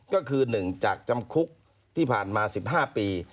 ก็คือ๑จากจำคุกที่ผ่านมา๑๕ปี